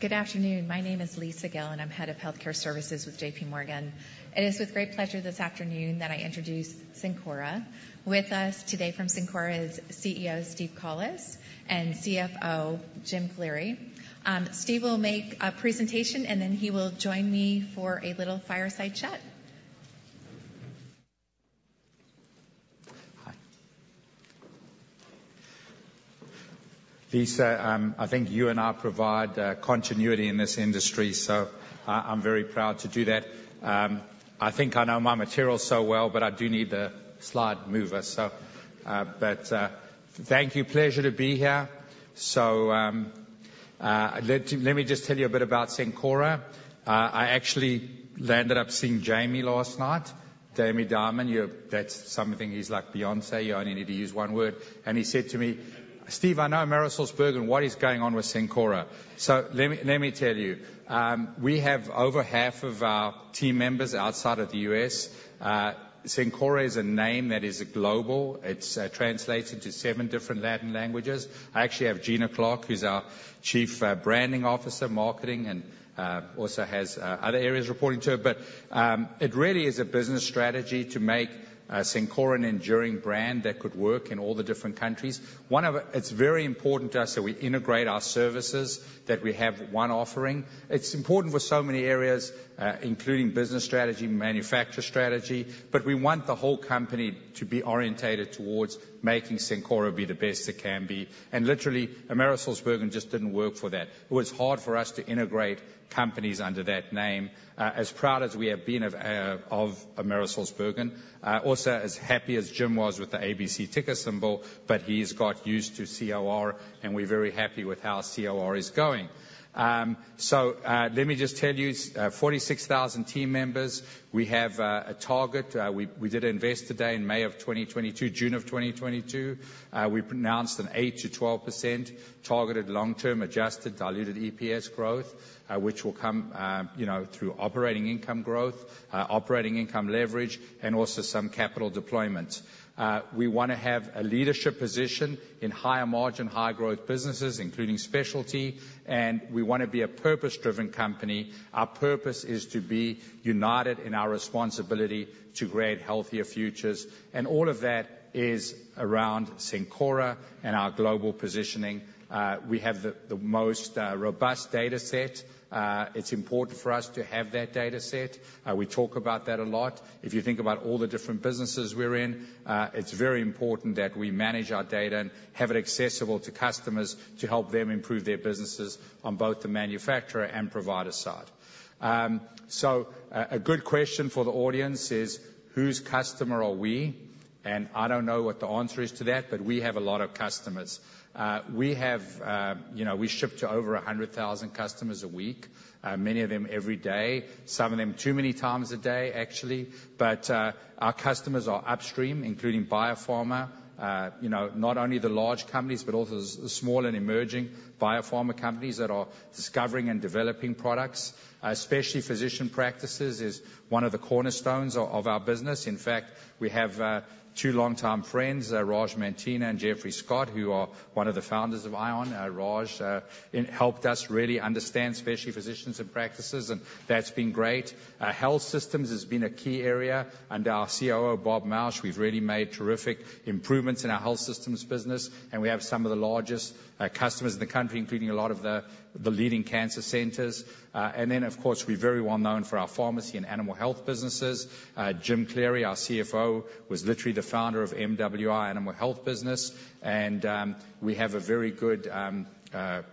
Good afternoon. My name is Lisa Gill, and I'm Head of Healthcare Services with J.P. Morgan. It is with great pleasure this afternoon that I introduce Cencora. With us today from Cencora is CEO, Steve Collis, and CFO, Jim Cleary. Steve will make a presentation, and then he will join me for a little fireside chat. Hi. Lisa, I think you and I provide continuity in this industry, so, I'm very proud to do that. I think I know my material so well, but I do need the slide mover. So, but, thank you. Pleasure to be here. So, let me just tell you a bit about Cencora. I actually landed up seeing Jamie last night, Jamie Dimon. That's something. He's like Beyoncé. You only need to use one word. And he said to me, "Steve, I know AmerisourceBergen. What is going on with Cencora?" So let me tell you. We have over half of our team members outside of the U.S. Cencora is a name that is global. It's translated to seven different Latin languages. I actually have Gina Clark, who's our Chief Branding Officer, Marketing, and also has other areas reporting to her. But it really is a business strategy to make Cencora an enduring brand that could work in all the different countries. It's very important to us that we integrate our services, that we have one offering. It's important for so many areas, including business strategy, manufacturing strategy, but we want the whole company to be orientated towards making Cencora be the best it can be. And literally, AmerisourceBergen just didn't work for that. It was hard for us to integrate companies under that name. As proud as we have been of AmerisourceBergen, also as happy as Jim was with the ABC ticker symbol, but he's got used to COR, and we're very happy with how COR is going. So, let me just tell you, 46,000 team members. We have a target. We did Investor Day in May of 2022, June of 2022. We pronounced an 8%-12% targeted long-term adjusted diluted EPS growth, which will come, you know, through operating income growth, operating income leverage, and also some capital deployment. We wanna have a leadership position in higher margin, high growth businesses, including specialty, and we wanna be a purpose-driven company. Our purpose is to be united in our responsibility to create healthier futures, and all of that is around Cencora and our global positioning. We have the most robust data set. It's important for us to have that data set. We talk about that a lot. If you think about all the different businesses we're in, it's very important that we manage our data and have it accessible to customers to help them improve their businesses on both the manufacturer and provider side. So a good question for the audience is: Whose customer are we? And I don't know what the answer is to that, but we have a lot of customers. We have, you know, we ship to over 100,000 customers a week, many of them every day, some of them too many times a day, actually. But our customers are upstream, including biopharma, you know, not only the large companies, but also small and emerging biopharma companies that are discovering and developing products. Speciality physician practices is one of the cornerstones of our business. In fact, we have two long-time friends, Raj Mantena and Jeffrey Scott, who are one of the founders of ION. Raj helped us really understand specialty physicians and practices, and that's been great. Our health systems has been a key area. Under our COO, Bob Mauch, we've really made terrific improvements in our health systems business, and we have some of the largest customers in the country, including a lot of the leading cancer centers. And then, of course, we're very well known for our pharmacy and animal health businesses. Jim Cleary, our CFO, was literally the founder of MWI Animal Health business, and we have a very good,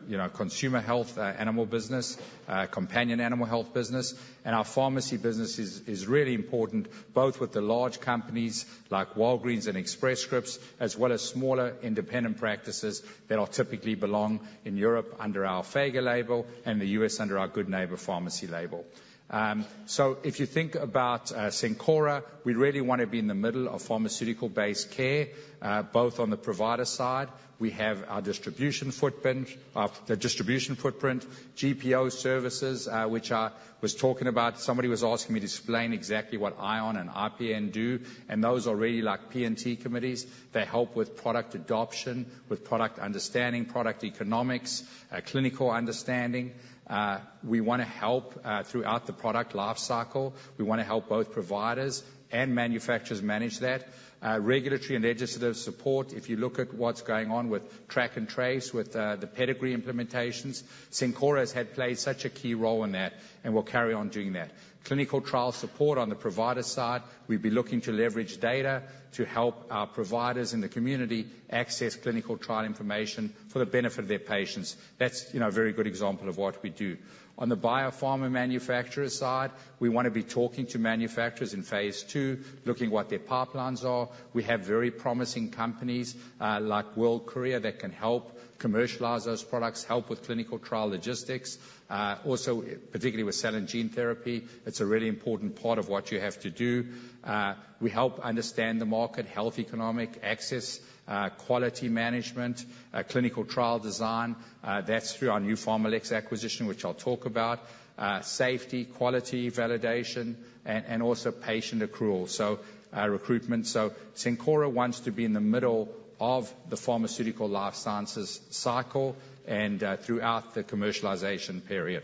you know, consumer health animal business, companion animal health business. Our pharmacy business is really important, both with the large companies like Walgreens and Express Scripts, as well as smaller independent practices that typically belong in Europe under our Alphega label and the US under our Good Neighbor Pharmacy label. So if you think about Cencora, we really want to be in the middle of pharmaceutical-based care. Both on the provider side, we have our distribution footprint, the distribution footprint, GPO services, which I was talking about. Somebody was asking me to explain exactly what ION and IPN do, and those are really like P&T committees. They help with product adoption, with product understanding, product economics, clinical understanding. We wanna help throughout the product life cycle. We wanna help both providers and manufacturers manage that. Regulatory and legislative support, if you look at what's going on with track and trace, with the pedigree implementations, Cencora has had played such a key role in that and will carry on doing that. Clinical trial support on the provider side, we'll be looking to leverage data to help our providers in the community access clinical trial information for the benefit of their patients. That's, you know, a very good example of what we do. On the biopharma manufacturer side, we want to be talking to manufacturers in phase II, looking what their pipelines are. We have very promising companies, like World Courier, that can help commercialize those products, help with clinical trial logistics. Also, particularly with cell and gene therapy, it's a really important part of what you have to do. We help understand the market, health, economic access, quality management, clinical trial design. That's through our new PharmaLex acquisition, which I'll talk about. Safety, quality, validation, and, and also patient accrual, so, recruitment. So Cencora wants to be in the middle of the pharmaceutical life sciences cycle and, throughout the commercialization period....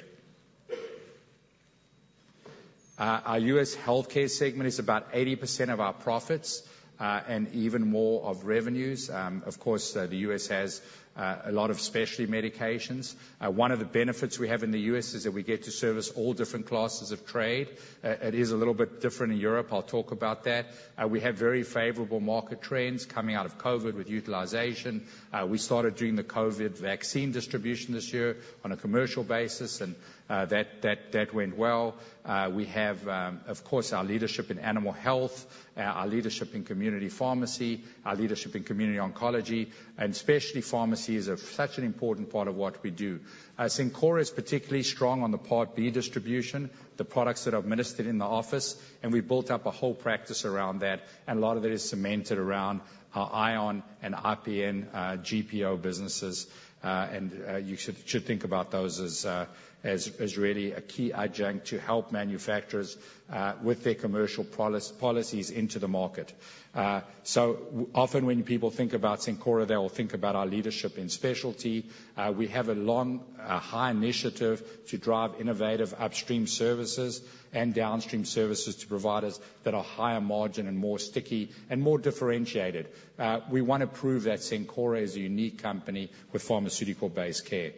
Our U.S. healthcare segment is about 80% of our profits, and even more of revenues. Of course, the U.S. has a lot of specialty medications. One of the benefits we have in the U.S. is that we get to service all different classes of trade. It is a little bit different in Europe. I'll talk about that. We have very favorable market trends coming out of COVID with utilization. We started doing the COVID vaccine distribution this year on a commercial basis, and that went well. We have, of course, our leadership in animal health, our leadership in community pharmacy, our leadership in community oncology, and specialty pharmacy is such an important part of what we do. Cencora is particularly strong on the Part B distribution, the products that are administered in the office, and we've built up a whole practice around that, and a lot of it is cemented around our ION and IPN GPO businesses. You should think about those as really a key adjunct to help manufacturers with their commercial policies into the market. So often, when people think about Cencora, they will think about our leadership in specialty. We have a long-held initiative to drive innovative upstream services and downstream services to providers that are higher margin and more sticky and more differentiated. We want to prove that Cencora is a unique company with pharmaceutical-based care.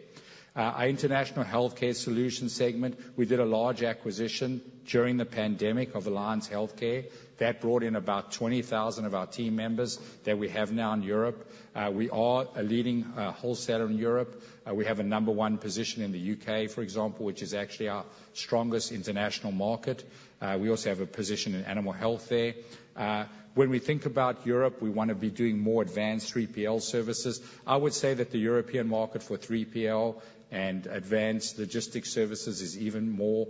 Our international healthcare solutions segment, we did a large acquisition during the pandemic of Alliance Healthcare. That brought in about 20,000 of our team members that we have now in Europe. We are a leading wholesaler in Europe. We have a number one position in the U.K., for example, which is actually our strongest international market. We also have a position in animal health there. When we think about Europe, we want to be doing more advanced 3PL services. I would say that the European market for 3PL and advanced logistics services is even more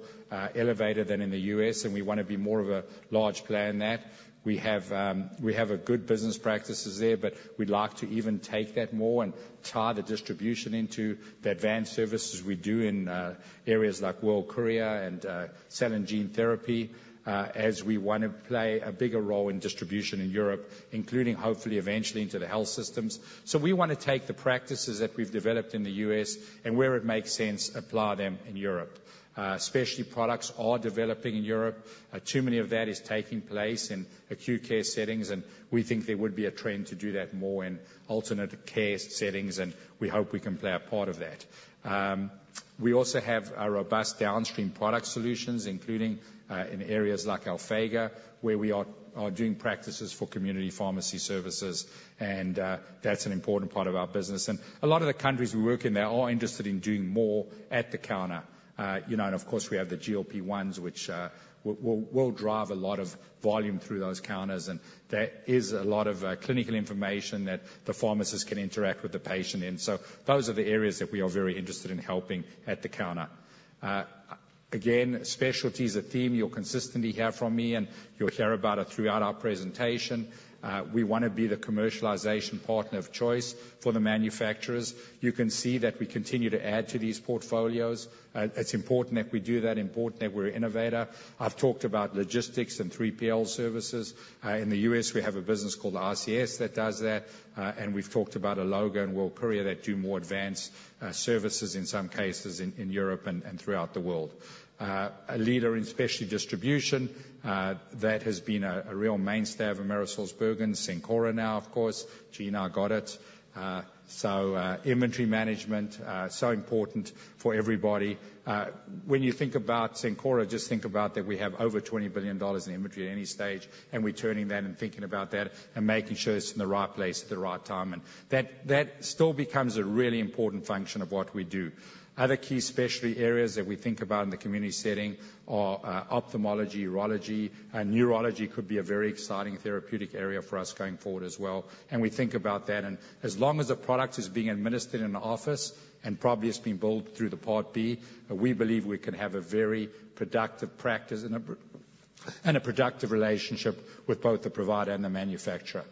elevated than in the US, and we want to be more of a large player in that. We have a good business practices there, but we'd like to even take that more and tie the distribution into the advanced services we do in areas like World Courier and cell and gene therapy, as we want to play a bigger role in distribution in Europe, including hopefully eventually into the health systems. So we want to take the practices that we've developed in the US, and where it makes sense, apply them in Europe. Specialty products are developing in Europe. Too many of that is taking place in acute care settings, and we think there would be a trend to do that more in alternate care settings, and we hope we can play a part of that. We also have a robust downstream product solutions, including in areas like Alphega, where we are doing practices for community pharmacy services, and that's an important part of our business. A lot of the countries we work in there are interested in doing more at the counter. You know, and of course, we have the GLP-1s, which will drive a lot of volume through those counters, and there is a lot of clinical information that the pharmacist can interact with the patient in. So those are the areas that we are very interested in helping at the counter. Again, specialty is a theme you'll consistently hear from me, and you'll hear about it throughout our presentation. We want to be the commercialization partner of choice for the manufacturers. You can see that we continue to add to these portfolios, and it's important that we do that, important that we're an innovator. I've talked about logistics and 3PL services. In the US, we have a business called ICS that does that, and we've talked about Alloga and World Courier that do more advanced services in some cases in Europe and throughout the world. A leader in specialty distribution that has been a real mainstay of AmerisourceBergen, Cencora now, of course. Gina got it. So, inventory management so important for everybody. When you think about Cencora, just think about that we have over $20 billion in inventory at any stage, and we're turning that and thinking about that and making sure it's in the right place at the right time, and that still becomes a really important function of what we do. Other key specialty areas that we think about in the community setting are ophthalmology, urology, and neurology could be a very exciting therapeutic area for us going forward as well, and we think about that. And as long as the product is being administered in the office, and probably it's being billed through the Part B, we believe we can have a very productive practice and a productive relationship with both the provider and the manufacturer.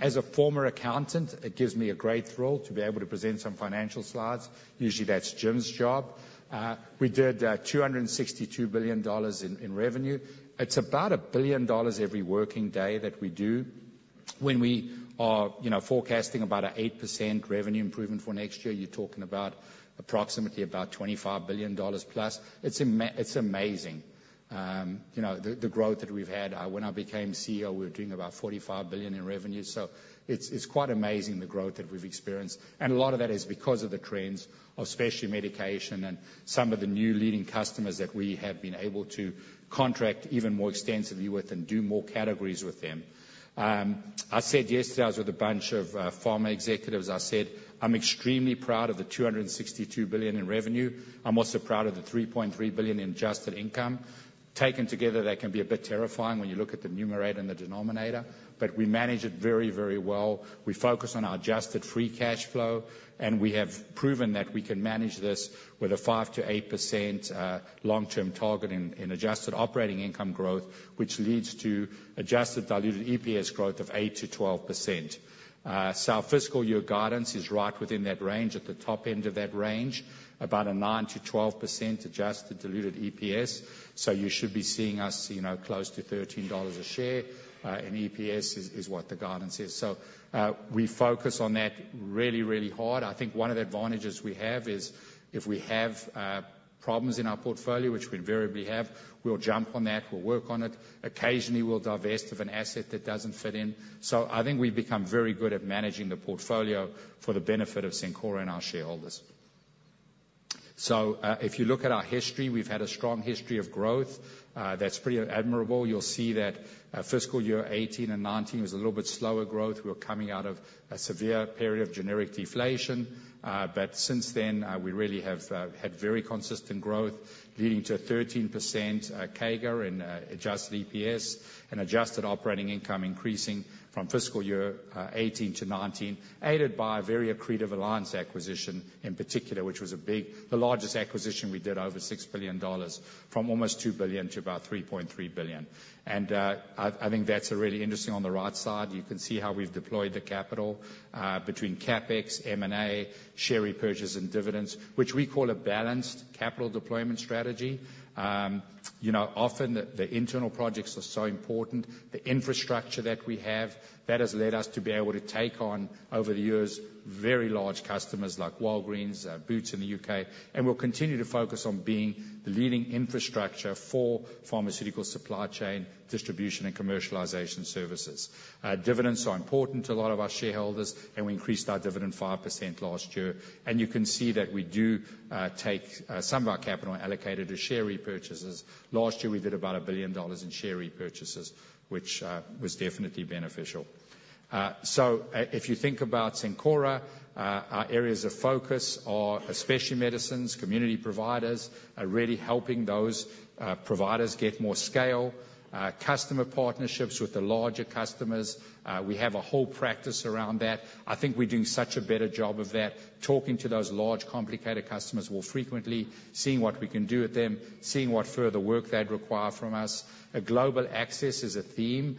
As a former accountant, it gives me a great thrill to be able to present some financial slides. Usually, that's Jim's job. We did two hundred and sixty-two billion dollars in revenue. It's about a billion dollars every working day that we do. When we are, you know, forecasting about a eight percent revenue improvement for next year, you're talking about approximately about $25 billion plus. It's amazing, you know, the growth that we've had. When I became CEO, we were doing about $45 billion in revenue, so it's quite amazing the growth that we've experienced. And a lot of that is because of the trends of specialty medication and some of the new leading customers that we have been able to contract even more extensively with and do more categories with them. I said yesterday, I was with a bunch of pharma executives. I said, "I'm extremely proud of the $262 billion in revenue. I'm also proud of the $3.3 billion in adjusted income." Taken together, that can be a bit terrifying when you look at the numerator and the denominator, but we manage it very, very well. We focus on our adjusted free cash flow, and we have proven that we can manage this with a 5%-8% long-term target in adjusted operating income growth, which leads to adjusted diluted EPS growth of 8%-12%. So our fiscal year guidance is right within that range, at the top end of that range, about a 9%-12% adjusted diluted EPS. So you should be seeing us, you know, close to $13 a share in EPS is what the guidance is. So we focus on that really, really hard. I think one of the advantages we have is, if we have problems in our portfolio, which we invariably have, we'll jump on that. We'll work on it. Occasionally, we'll divest of an asset that doesn't fit in. So I think we've become very good at managing the portfolio for the benefit of Cencora and our shareholders.... So if you look at our history, we've had a strong history of growth that's pretty admirable. You'll see that fiscal year 2018 and 2019 was a little bit slower growth. We were coming out of a severe period of generic deflation, but since then, we really have had very consistent growth leading to a 13% CAGR in adjusted EPS and adjusted operating income increasing from fiscal year 2018 to 2019, aided by a very accretive Alliance acquisition in particular, which was the largest acquisition we did, over $6 billion, from almost $2 billion to about $3.3 billion. And, I think that's really interesting. On the right side, you can see how we've deployed the capital between CapEx, M&A, share repurchases and dividends, which we call a balanced capital deployment strategy. You know, often the internal projects are so important. The infrastructure that we have, that has led us to be able to take on, over the years, very large customers, like Walgreens, Boots in the U.K., and we'll continue to focus on being the leading infrastructure for pharmaceutical supply chain, distribution, and commercialization services. Dividends are important to a lot of our shareholders, and we increased our dividend 5% last year. You can see that we do take some of our capital allocated to share repurchases. Last year, we did about $1 billion in share repurchases, which was definitely beneficial. So, if you think about Cencora, our areas of focus are specialty medicines, community providers, are really helping those providers get more scale, customer partnerships with the larger customers. We have a whole practice around that. I think we're doing such a better job of that, talking to those large, complicated customers more frequently, seeing what we can do with them, seeing what further work they'd require from us. A global access is a theme.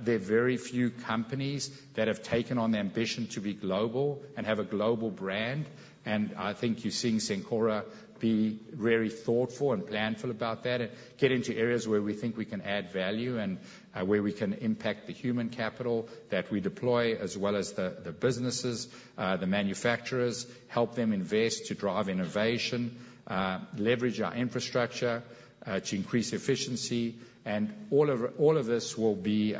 There are very few companies that have taken on the ambition to be global and have a global brand, and I think you're seeing Cencora be very thoughtful and planful about that, and get into areas where we think we can add value, and where we can impact the human capital that we deploy, as well as the, the businesses, the manufacturers, help them invest to drive innovation, leverage our infrastructure, to increase efficiency. And all of, all of this will be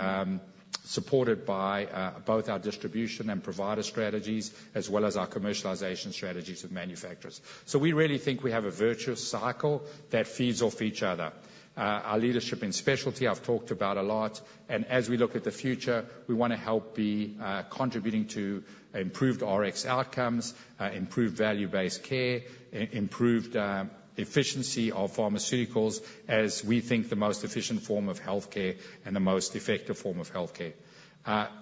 supported by both our distribution and provider strategies, as well as our commercialization strategies with manufacturers. So we really think we have a virtuous cycle that feeds off each other. Our leadership in specialty, I've talked about a lot, and as we look at the future, we wanna help be contributing to improved Rx outcomes, improved value-based care, improved efficiency of pharmaceuticals, as we think the most efficient form of healthcare and the most effective form of healthcare.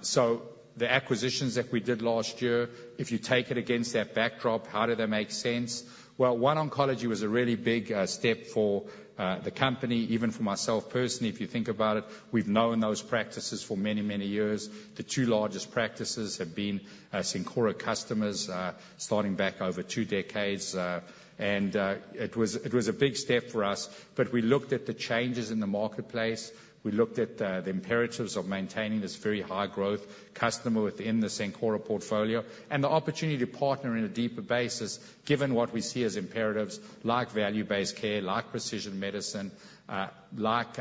So the acquisitions that we did last year, if you take it against that backdrop, how do they make sense? Well, OneOncology was a really big step for the company, even for myself, personally, if you think about it. We've known those practices for many, many years. The two largest practices have been Cencora customers starting back over two decades, and it was a big step for us. But we looked at the changes in the marketplace. We looked at the imperatives of maintaining this very high-growth customer within the Cencora portfolio, and the opportunity to partner in a deeper basis, given what we see as imperatives, like value-based care, like precision medicine, like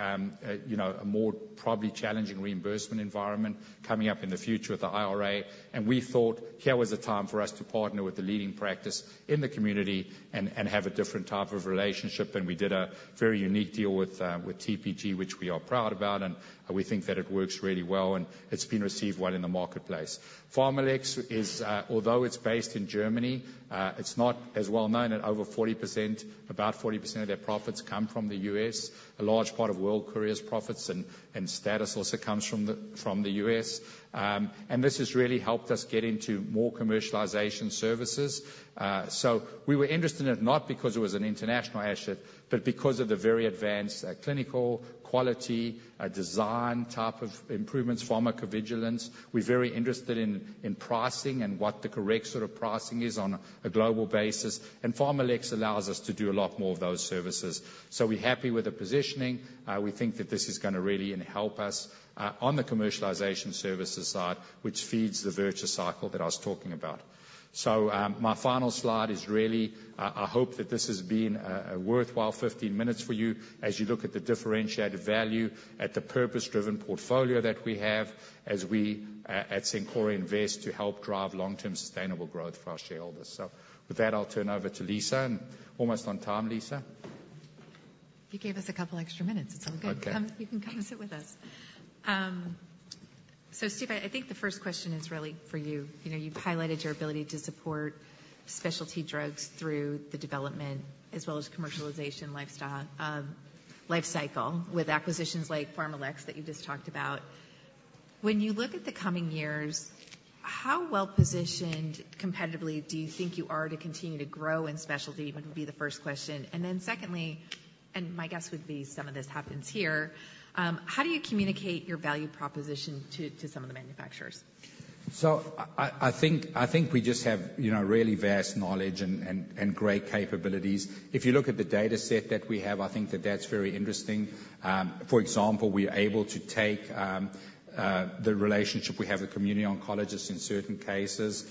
you know, a more probably challenging reimbursement environment coming up in the future with the IRA. And we thought here was a time for us to partner with the leading practice in the community and have a different type of relationship, and we did a very unique deal with TPG, which we are proud about, and we think that it works really well, and it's been received well in the marketplace. PharmaLex is, although it's based in Germany, it's not as well known, and over 40%, about 40% of their profits come from the U.S. A large part of World Courier's profits and status also comes from the U.S. This has really helped us get into more commercialization services. So we were interested in it, not because it was an international asset, but because of the very advanced, clinical quality, design type of improvements, pharmacovigilance. We're very interested in pricing and what the correct sort of pricing is on a global basis, and PharmaLex allows us to do a lot more of those services. So we're happy with the positioning. We think that this is gonna really help us, on the commercialization services side, which feeds the virtuous cycle that I was talking about. So, my final slide is really, I hope that this has been a worthwhile 15 minutes for you, as you look at the differentiated value, at the purpose-driven portfolio that we have, as we at Cencora invest to help drive long-term sustainable growth for our shareholders. So with that, I'll turn over to Lisa, and almost on time, Lisa. You gave us a couple extra minutes. It's all good. Okay. You can come and sit with us. So Steve, I think the first question is really for you. You know, you've highlighted your ability to support specialty drugs through the development as well as commercialization life cycle, with acquisitions like PharmaLex, that you just talked about. When you look at the coming years, how well-positioned competitively do you think you are to continue to grow in specialty? Would be the first question. And then secondly, and my guess would be some of this happens here. How do you communicate your value proposition to some of the manufacturers? So I think we just have, you know, really vast knowledge and great capabilities. If you look at the dataset that we have, I think that's very interesting. For example, we are able to take the relationship we have with community oncologists in certain cases,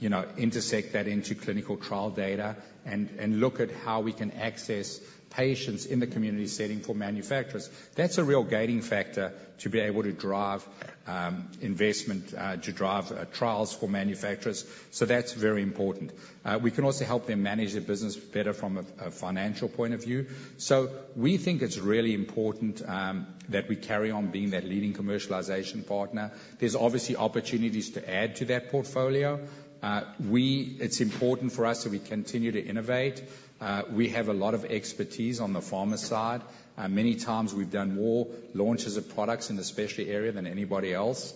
you know, intersect that into clinical trial data and look at how we can access patients in the community setting for manufacturers. That's a real guiding factor to be able to drive investment to drive trials for manufacturers. So that's very important. We can also help them manage their business better from a financial point of view. So we think it's really important that we carry on being that leading commercialization partner. There's obviously opportunities to add to that portfolio. It's important for us that we continue to innovate. We have a lot of expertise on the pharma side. Many times we've done more launches of products in the specialty area than anybody else,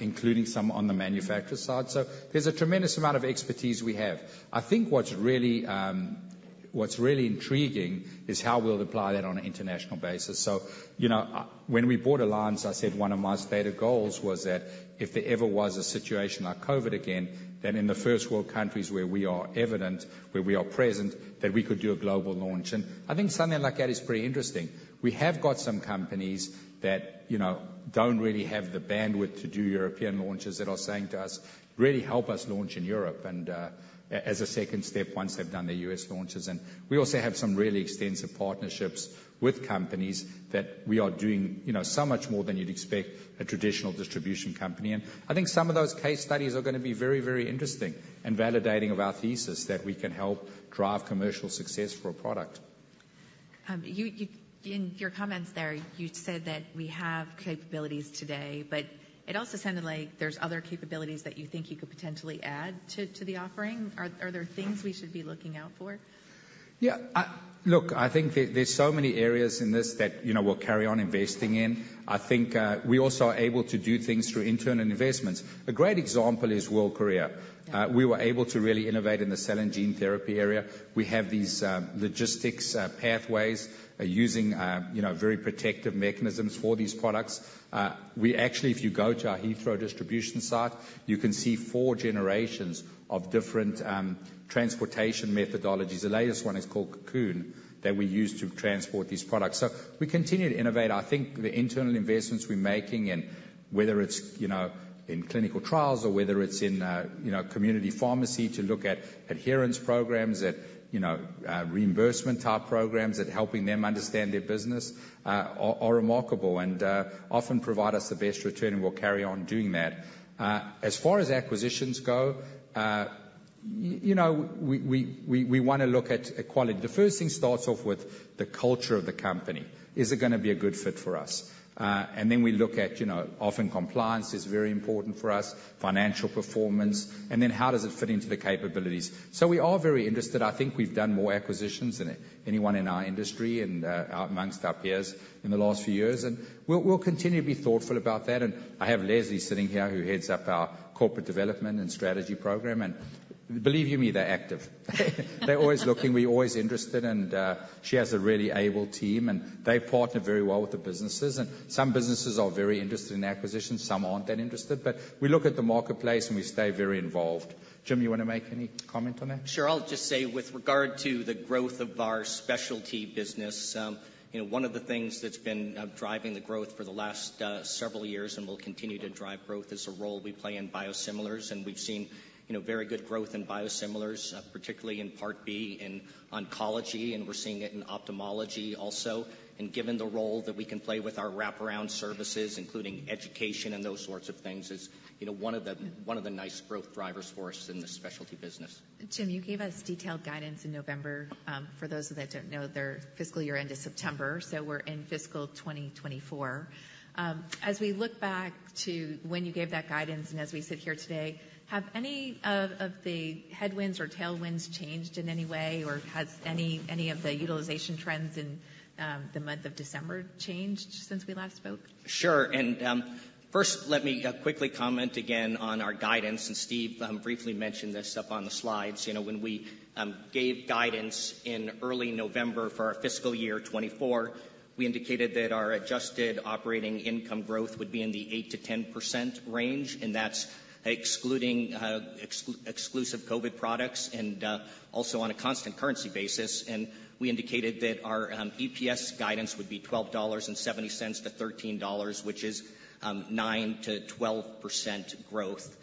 including some on the manufacturer side. So there's a tremendous amount of expertise we have. I think what's really, what's really intriguing is how we'll apply that on an international basis. So, you know, when we bought Alliance, I said one of my stated goals was that if there ever was a situation like COVID again, that in the first world countries where we are evident, where we are present, that we could do a global launch. And I think something like that is pretty interesting. We have got some companies that, you know, don't really have the bandwidth to do European launches, that are saying to us, "Really help us launch in Europe," and, as a second step, once they've done their U.S. launches. And we also have some really extensive partnerships with companies that we are doing, you know, so much more than you'd expect a traditional distribution company. And I think some of those case studies are gonna be very, very interesting and validating of our thesis, that we can help drive commercial success for a product. In your comments there, you said that we have capabilities today, but it also sounded like there's other capabilities that you think you could potentially add to the offering. Are there things we should be looking out for? Yeah. Look, I think there, there's so many areas in this that, you know, we'll carry on investing in. I think, we also are able to do things through internal investments. A great example is World Courier. Yeah. We were able to really innovate in the cell and gene therapy area. We have these, logistics, pathways using, you know, very protective mechanisms for these products. We actually, if you go to our Heathrow distribution site, you can see four generations of different, transportation methodologies. The latest one is called Cocoon, that we use to transport these products. So we continue to innovate. I think the internal investments we're making and whether it's, you know, in clinical trials or whether it's in, you know, community pharmacy to look at adherence programs that, you know, reimbursement-type programs, at helping them understand their business, are remarkable, and, often provide us the best return, and we'll carry on doing that. As far as acquisitions go, you know, we wanna look at quality. The first thing starts off with the culture of the company. Is it gonna be a good fit for us? And then we look at, you know, often compliance is very important for us, financial performance, and then how does it fit into the capabilities? So we are very interested. I think we've done more acquisitions than anyone in our industry and, amongst our peers in the last few years, and we'll, we'll continue to be thoughtful about that. And I have Leslie sitting here, who heads up our corporate development and strategy program, and believe you me, they're active. They're always looking, we're always interested, and, she has a really able team, and they partner very well with the businesses. And some businesses are very interested in acquisitions, some aren't that interested, but we look at the marketplace, and we stay very involved. Jim, you wanna make any comment on that? Sure. I'll just say with regard to the growth of our specialty business, you know, one of the things that's been driving the growth for the last several years and will continue to drive growth, is the role we play in biosimilars. And we've seen, you know, very good growth in biosimilars, particularly in Part B in oncology, and we're seeing it in ophthalmology also. And given the role that we can play with our wraparound services, including education and those sorts of things, is one of the nice growth drivers for us in the specialty business. Jim, you gave us detailed guidance in November. For those that don't know, their fiscal year end is September, so we're in fiscal 2024. As we look back to when you gave that guidance and as we sit here today, have any of the headwinds or tailwinds changed in any way, or has any of the utilization trends in the month of December changed since we last spoke? Sure. And, first, let me quickly comment again on our guidance, and Steve briefly mentioned this up on the slides. You know, when we gave guidance in early November for our fiscal year 2024, we indicated that our adjusted operating income growth would be in the 8%-10% range, and that's excluding exclusive COVID products and also on a constant currency basis. And we indicated that our EPS guidance would be $12.70-$13.00, which is 9%-12% growth,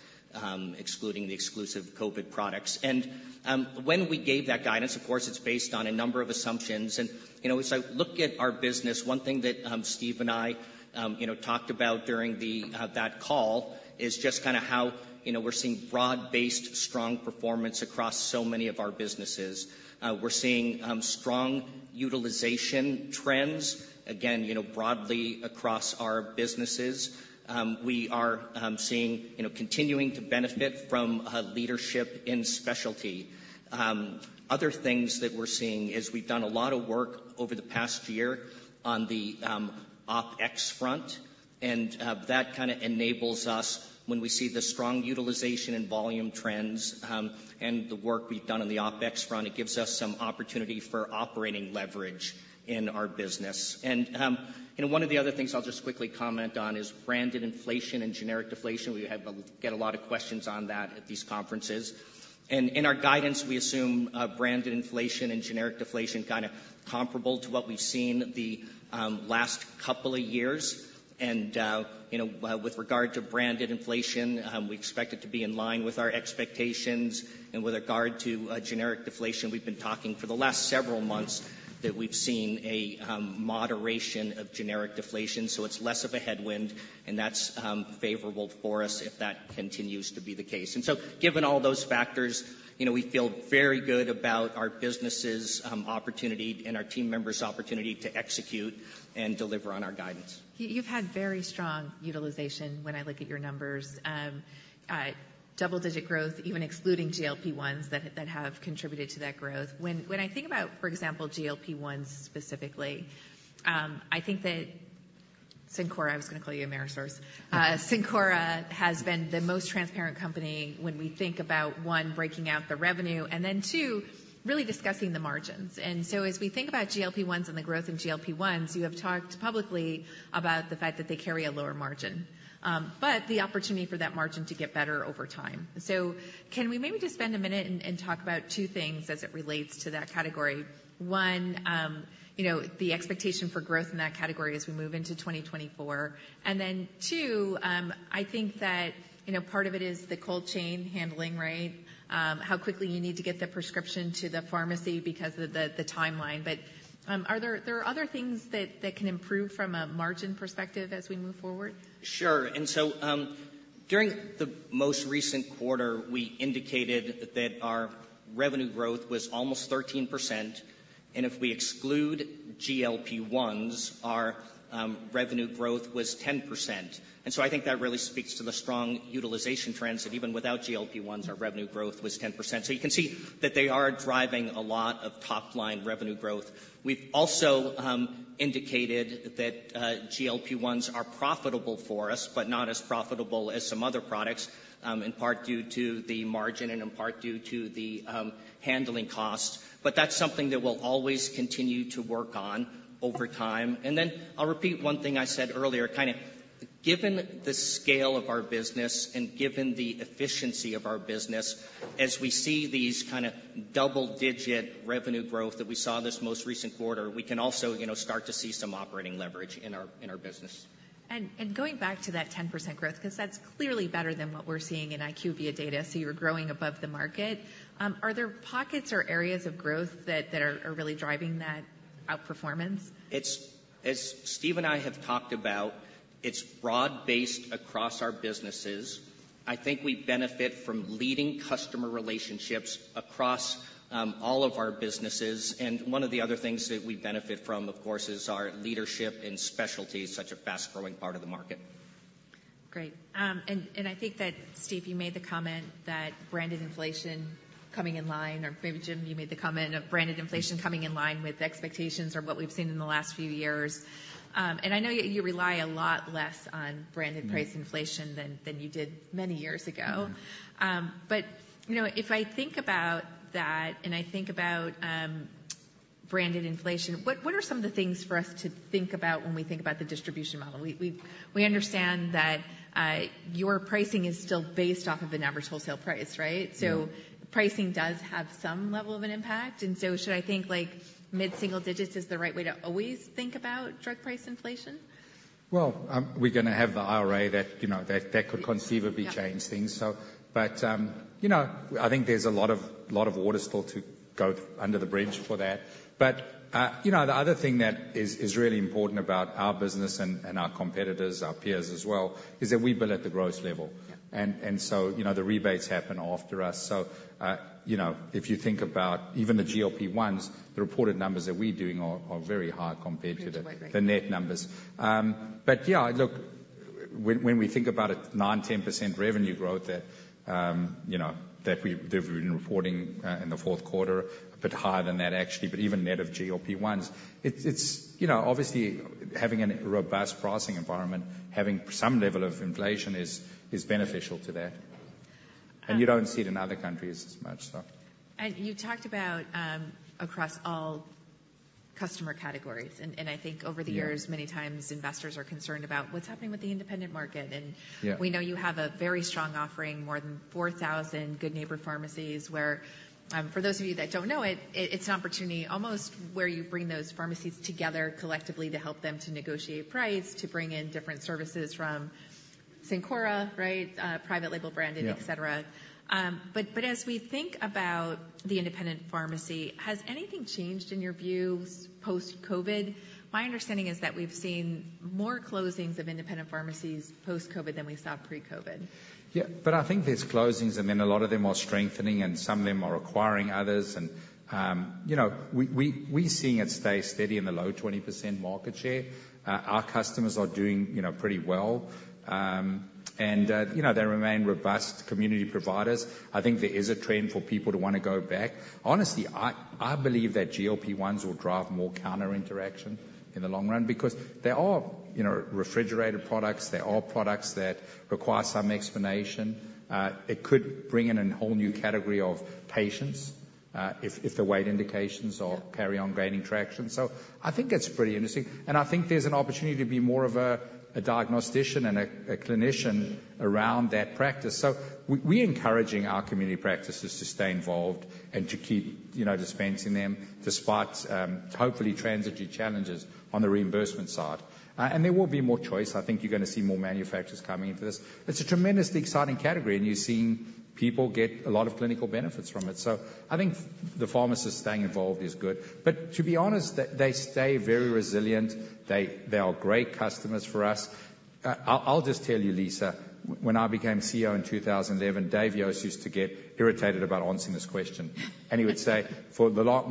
excluding the exclusive COVID products. And, when we gave that guidance, of course, it's based on a number of assumptions. You know, as I look at our business, one thing that Steve and I, you know, talked about during that call, is just kinda how, you know, we're seeing broad-based, strong performance across so many of our businesses. We're seeing strong utilization trends, again, you know, broadly across our businesses. We are seeing, you know, continuing to benefit from leadership in specialty. Other things that we're seeing is we've done a lot of work over the past year on the OpEx front, and that kinda enables us, when we see the strong utilization and volume trends, and the work we've done on the OpEx front, it gives us some opportunity for operating leverage in our business. And, you know, one of the other things I'll just quickly comment on is branded inflation and generic deflation. We get a lot of questions on that at these conferences. In our guidance, we assume branded inflation and generic deflation kinda comparable to what we've seen the last couple of years. You know, with regard to branded inflation, we expect it to be in line with our expectations, and with regard to generic deflation, we've been talking for the last several months that we've seen a moderation of generic deflation. So it's less of a headwind, and that's favorable for us if that continues to be the case. So, given all those factors, you know, we feel very good about our businesses opportunity and our team members' opportunity to execute and deliver on our guidance. You've had very strong utilization when I look at your numbers. Double-digit growth, even excluding GLP-1s that have contributed to that growth. When I think about, for example, GLP-1s specifically, I think that Cencora, I was going to call you AmerisourceBergen. Cencora has been the most transparent company when we think about, one, breaking out the revenue, and then, two, really discussing the margins. And so as we think about GLP-1s and the growth in GLP-1s, you have talked publicly about the fact that they carry a lower margin, but the opportunity for that margin to get better over time. So can we maybe just spend a minute and talk about two things as it relates to that category? One, you know, the expectation for growth in that category as we move into 2024. Then, two, I think that, you know, part of it is the cold chain handling, right? How quickly you need to get the prescription to the pharmacy because of the timeline. But, are there other things that can improve from a margin perspective as we move forward? Sure. And so, during the most recent quarter, we indicated that our revenue growth was almost 13%, and if we exclude GLP-1s, our revenue growth was 10%. And so I think that really speaks to the strong utilization trends, that even without GLP-1s, our revenue growth was 10%. So you can see that they are driving a lot of top-line revenue growth. We've also indicated that GLP-1s are profitable for us, but not as profitable as some other products, in part due to the margin and in part due to the handling costs. But that's something that we'll always continue to work on over time. And then I'll repeat one thing I said earlier: kind of given the scale of our business and given the efficiency of our business, as we see these kind of double-digit revenue growth that we saw this most recent quarter, we can also, you know, start to see some operating leverage in our, in our business. And going back to that 10% growth, 'cause that's clearly better than what we're seeing in IQVIA data, so you're growing above the market. Are there pockets or areas of growth that are really driving that outperformance? It's, as Steve and I have talked about, it's broad-based across our businesses. I think we benefit from leading customer relationships across all of our businesses, and one of the other things that we benefit from, of course, is our leadership in specialties, such a fast-growing part of the market. Great. And I think that, Steve, you made the comment that branded inflation coming in line, or maybe, Jim, you made the comment of branded inflation coming in line with expectations or what we've seen in the last few years. And I know you rely a lot less on branded-price inflation than you did many years ago. If I think about that, and I think about branded inflation, what are some of the things for us to think about when we think about the distribution model? We understand that your pricing is still based off of an average wholesale price, right? Yeah. Pricing does have some level of an impact, and so should I think, like, mid-single digits is the right way to always think about drug price inflation? Well, we're gonna have the IRA that, you know, that, that could conceivably- Yeah. change things, so... But, you know, I think there's a lot of water still to go under the bridge for that. But, you know, the other thing that is really important about our business and our competitors, our peers as well, is that we bill at the gross level. Yeah. And so, you know, the rebates happen after us. So, you know, if you think about even the GLP-1s, the reported numbers that we're doing are very high compared to the- agree. - the net numbers. But yeah, look, when we think about it, 9%-10% revenue growth that, you know, that we've been reporting in the fourth quarter, a bit higher than that, actually, but even net of GLP-1s, it's, you know, obviously, having a robust pricing environment, having some level of inflation is beneficial to that. ..You don't see it in other countries as much, so. You talked about across all customer categories, and I think over the years- Yeah.... many times investors are concerned about what's happening with the independent market and- Yeah.... we know you have a very strong offering, more than 4,000 Good Neighbor Pharmacy pharmacies, where, for those of you that don't know it, it's an opportunity almost where you bring those pharmacies together collectively to help them to negotiate price, to bring in different services from Cencora, right? Private label branded- Yeah.... et cetera. But as we think about the independent pharmacy, has anything changed in your view post-COVID? My understanding is that we've seen more closings of independent pharmacies post-COVID than we saw pre-COVID. Yeah, but I think there's closings, and then a lot of them are strengthening, and some of them are acquiring others, and, you know, we're seeing it stay steady in the low 20% market share. Our customers are doing, you know, pretty well. And, you know, they remain robust community providers. I think there is a trend for people to want to go back. Honestly, I believe that GLP-1s will drive more counter interaction in the long run because they are, you know, refrigerated products. They are products that require some explanation. It could bring in a whole new category of patients, if the weight indications are- Yeah.... carry on gaining traction. So I think it's pretty interesting, and I think there's an opportunity to be more of a, a diagnostician and a, a clinician around that practice. So we, we're encouraging our community practices to stay involved and to keep, you know, dispensing them, despite, hopefully transitory challenges on the reimbursement side. And there will be more choice. I think you're gonna see more manufacturers coming into this. It's a tremendously exciting category, and you're seeing people get a lot of clinical benefits from it. So I think the pharmacists staying involved is good. But to be honest, they, they stay very resilient. They, they are great customers for us. I'll, I'll just tell you, Lisa, when I became CEO in 2011, Dave Yost used to get irritated about answering this question. He would say,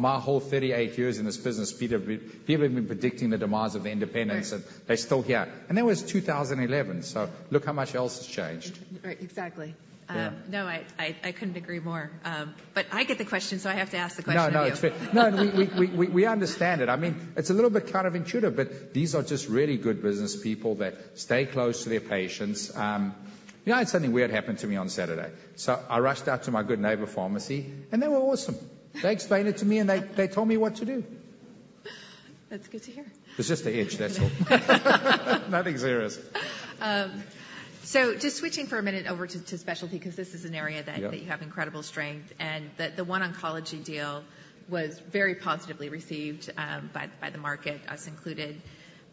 "My whole 38 years in this business, Peter, people have been predicting the demise of independents- Right. -and they're still here. That was 2011, so look how much else has changed. Right, exactly. Yeah. No, I couldn't agree more. But I get the question, so I have to ask the question of you. No, no, it's fair. No, we understand it. I mean, it's a little bit counterintuitive, but these are just really good businesspeople that stay close to their patients. You know, I had something weird happen to me on Saturday, so I rushed out to my Good Neighbor Pharmacy, and they were awesome. They explained it to me, and they told me what to do.... That's good to hear. It's just the itch, that's all. Nothing serious. So just switching for a minute over to specialty, because this is an area that- Yeah. that you have incredible strength, and the OneOncology deal was very positively received by the market, us included.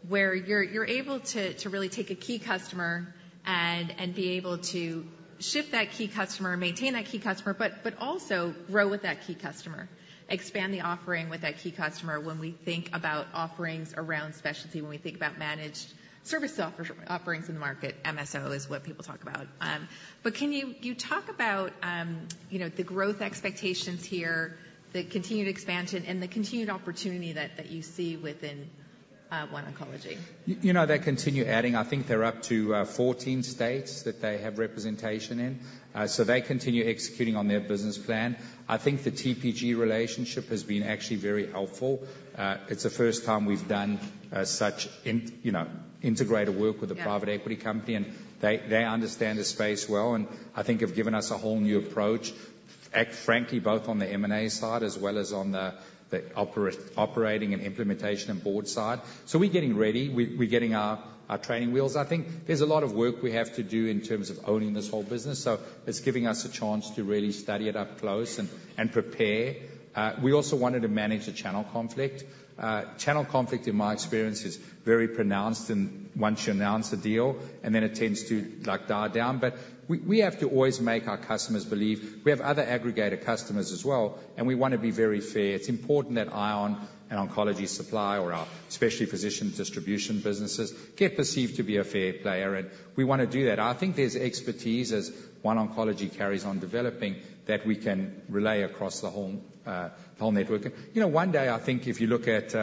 Where you're able to really take a key customer and be able to shift that key customer and maintain that key customer, but also grow with that key customer, expand the offering with that key customer. When we think about offerings around specialty, when we think about managed service offerings in the market, MSO is what people talk about. But can you talk about, you know, the growth expectations here, the continued expansion and the continued opportunity that you see within OneOncology? You know, they continue adding... I think they're up to 14 states that they have representation in. So they continue executing on their business plan. I think the TPG relationship has been actually very helpful. It's the first time we've done such in, you know, integrated work- Yeah. with a private equity company, and they understand the space well, and I think have given us a whole new approach. And frankly, both on the M&A side as well as on the operating and implementation and board side. So we're getting ready. We're getting our training wheels. I think there's a lot of work we have to do in terms of owning this whole business, so it's giving us a chance to really study it up close and prepare. We also wanted to manage the channel conflict. Channel conflict, in my experience, is very pronounced, and once you announce the deal, and then it tends to, like, die down. But we have to always make our customers believe. We have other aggregator customers as well, and we want to be very fair. It's important that ION and Oncology Supply, or our specialty physician distribution businesses, get perceived to be a fair player, and we want to do that. I think there's expertise as OneOncology carries on developing, that we can relay across the whole, whole network. You know, one day, I think if you look at,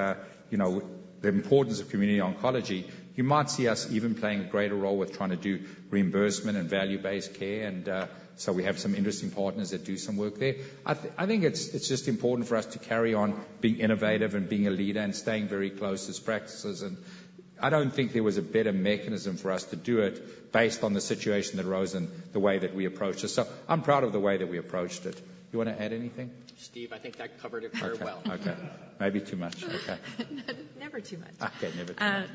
you know, the importance of community oncology, you might see us even playing a greater role with trying to do reimbursement and value-based care. And, so we have some interesting partners that do some work there. I think it's, it's just important for us to carry on being innovative and being a leader and staying very close to practices, and I don't think there was a better mechanism for us to do it based on the situation that arose and the way that we approached this. So I'm proud of the way that we approached it. You want to add anything? Steve, I think that covered it very well. Okay. Okay. Maybe too much. Okay. Never too much. Okay, never too much.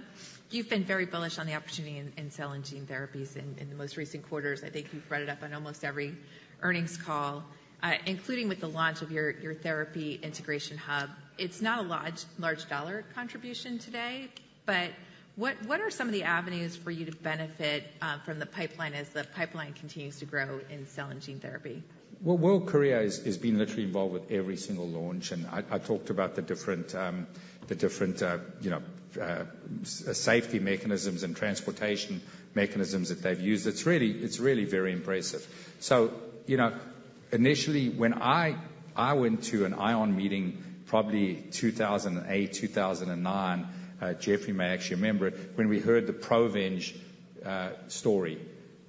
You've been very bullish on the opportunity in cell and gene therapies in the most recent quarters. I think you've read it up on almost every earnings call, including with the launch of your therapy integration hub. It's not a large dollar contribution today, but what are some of the avenues for you to benefit from the pipeline as the pipeline continues to grow in cell and gene therapy? Well, World Courier has been literally involved with every single launch, and I talked about the different, you know, safety mechanisms and transportation mechanisms that they've used. It's really very impressive. So, you know, initially when I went to an ION meeting, probably 2008, 2009, Jeffrey may actually remember it, when we heard the Provenge story.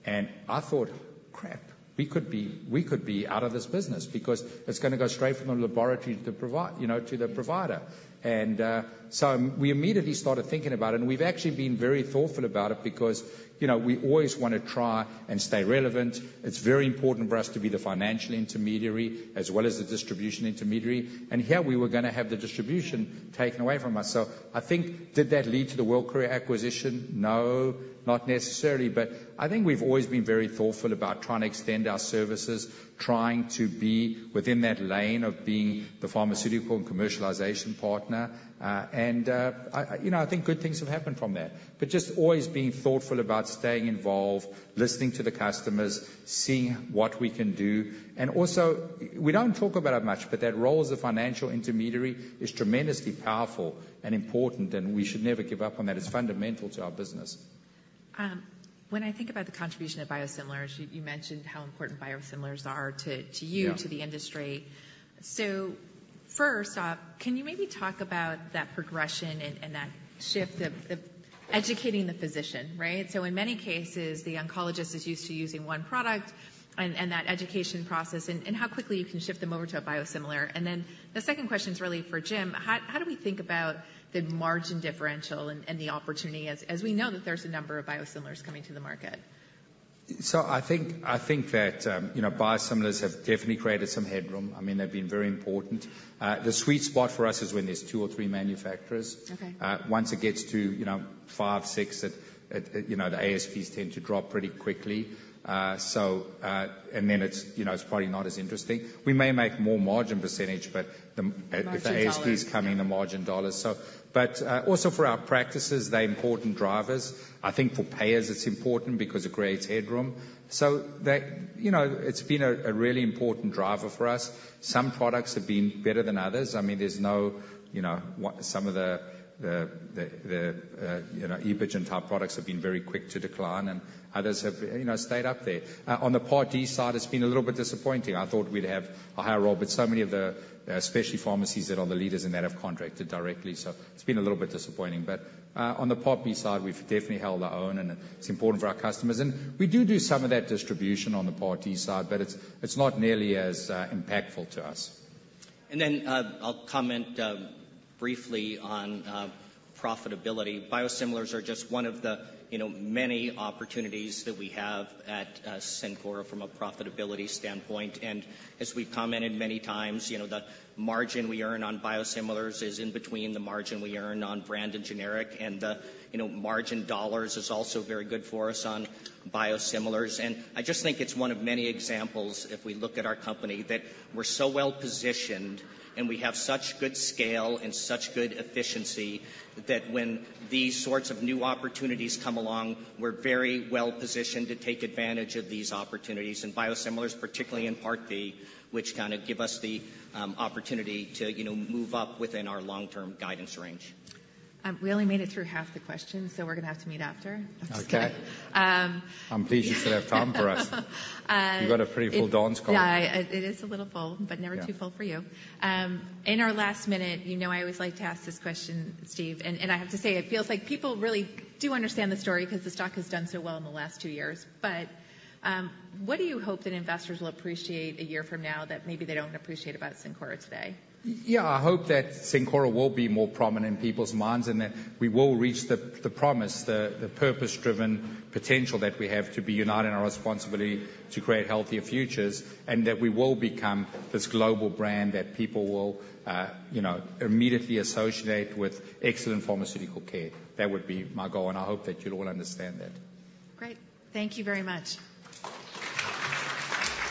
And I thought, "Crap, we could be out of this business because it's gonna go straight from the laboratory to the provider." And so we immediately started thinking about it, and we've actually been very thoughtful about it because, you know, we always want to try and stay relevant. It's very important for us to be the financial intermediary as well as the distribution intermediary, and here we were gonna have the distribution taken away from ourselves. So I think, did that lead to the World Courier acquisition? No, not necessarily, but I think we've always been very thoughtful about trying to extend our services, trying to be within that lane of being the pharmaceutical and commercialization partner. You know, I think good things have happened from that. But just always being thoughtful about staying involved, listening to the customers, seeing what we can do. And also, we don't talk about it much, but that role as a financial intermediary is tremendously powerful and important, and we should never give up on that. It's fundamental to our business. When I think about the contribution of biosimilars, you mentioned how important biosimilars are to you- Yeah. to the industry. So first, can you maybe talk about that progression and that shift of educating the physician, right? So in many cases, the oncologist is used to using one product, and that education process and how quickly you can shift them over to a biosimilar. And then the second question is really for Jim: How do we think about the margin differential and the opportunity, as we know that there's a number of biosimilars coming to the market? So I think that, you know, biosimilars have definitely created some headroom. I mean, they've been very important. The sweet spot for us is when there's two or three manufacturers. Okay. Once it gets to, you know, 5, 6, it, you know, the ASPs tend to drop pretty quickly. So, then it's, you know, it's probably not as interesting. We may make more margin percentage, but the- Margin dollars. ASPs coming, the margin dollars. So, but also for our practices, they're important drivers. I think for payers, it's important because it creates headroom. So they... You know, it's been a really important driver for us. Some products have been better than others. I mean, there's no, you know, some of the Epogen-type products have been very quick to decline, and others have, you know, stayed up there. On the Part D side, it's been a little bit disappointing. I thought we'd have a higher role, but so many of the specialty pharmacies that are the leaders in that have contracted directly, so it's been a little bit disappointing. But on the Part B side, we've definitely held our own, and it's important for our customers. We do some of that distribution on the Part D side, but it's not nearly as impactful to us. And then, I'll comment briefly on profitability. Biosimilars are just one of the, you know, many opportunities that we have at Cencora from a profitability standpoint. And as we've commented many times, you know, the margin we earn on biosimilars is in between the margin we earn on brand and generic, and the, you know, margin dollars is also very good for us on biosimilars. And I just think it's one of many examples, if we look at our company, that we're so well-positioned, and we have such good scale and such good efficiency, that when these sorts of new opportunities come along, we're very well-positioned to take advantage of these opportunities. And biosimilars, particularly in Part D, which kind of give us the opportunity to, you know, move up within our long-term guidance range. We only made it through half the questions, so we're gonna have to meet after. Okay. Um- I'm pleased you still have time for us. Uh- You've got a pretty full dance card. Yeah, it is a little full- Yeah.... but never too full for you. In our last minute, you know I always like to ask this question, Steve, and, and I have to say, it feels like people really do understand the story because the stock has done so well in the last two years. But, what do you hope that investors will appreciate a year from now that maybe they don't appreciate about Cencora today? Yeah, I hope that Cencora will be more prominent in people's minds, and that we will reach the promise, the purpose-driven potential that we have to be united in our responsibility to create healthier futures, and that we will become this global brand that people will, you know, immediately associate with excellent pharmaceutical care. That would be my goal, and I hope that you'll all understand that. Great. Thank you very much.